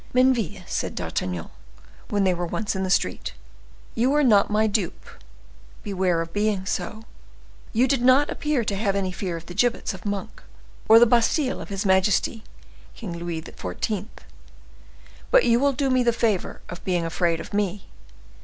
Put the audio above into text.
"Menneville," said D'Artagnan, when they were once in the street, "you were not my dupe; beware of being so. You did not appear to have any fear of the gibbets of Monk, or the Bastile of his majesty, King Louis XIV., but you will do me the favor of being afraid of me.